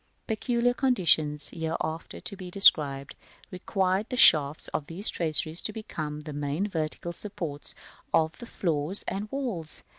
Peculiar conditions, hereafter to be described, require the shafts of these traceries to become the main vertical supports of the floors and walls.